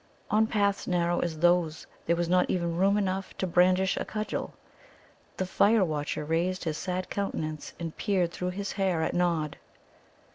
On paths narrow as those there was not even room enough to brandish a cudgel. The fire watcher raised his sad countenance and peered through his hair at Nod.